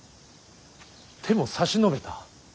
手も差し伸べた。